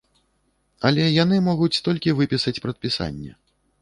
Але яны могуць толькі выпісаць прадпісанне.